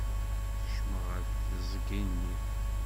Kecmen ɣer teẓgi-nni.